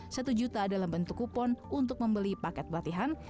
satu juta dalam bentuk kupon untuk membeli paket batihan